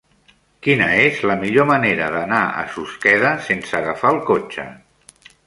Quina és la millor manera d'anar a Susqueda sense agafar el cotxe?